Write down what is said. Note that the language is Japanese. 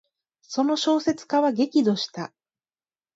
その小説家は激怒した。